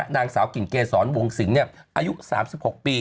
นางสาวกลิ่นเกษรวงสิงอายุ๓๖ปี